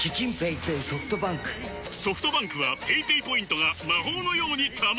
ソフトバンクはペイペイポイントが魔法のように貯まる！